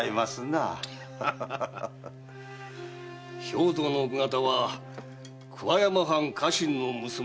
兵藤の奥方は桑山藩・家臣の娘。